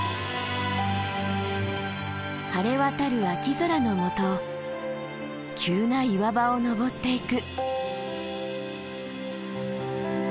晴れ渡る秋空のもと急な岩場を登っていく。